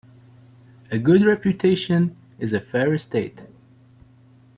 A good reputation is a fair estate.